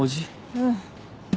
うん。